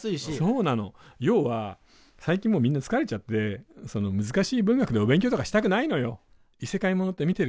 要は最近もうみんな疲れちゃって難しい文学のお勉強とかしたくないのよ。